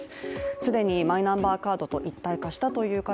既にマイナンバーカードと一体化したという方